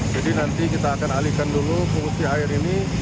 jadi nanti kita akan alihkan dulu fungsi air ini